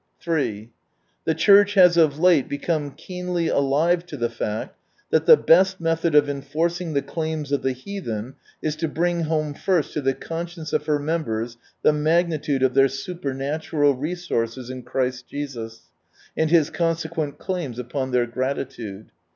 3. The Church has of late become keenly alive to the fact that the best method of enforcing the claims of the Heathen is to bring home first to the conscience of her members the magnitude of their supernatural resources in Christ Jcsus, and His conse quent claims upon their gratitude.